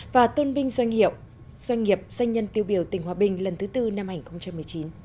và tôn binh doanh nghiệp doanh nhân tiêu biểu tỉnh hòa bình lần thứ tư năm hai nghìn một mươi chín